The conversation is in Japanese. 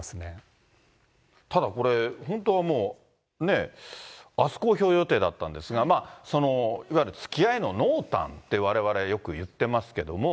ただこれ、本当はもう、あす公表予定だったんですが、いわゆるつきあいの濃淡って、われわれよく言ってますけども。